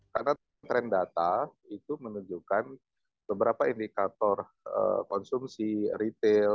karena trend data itu menunjukkan beberapa indikator konsumsi retail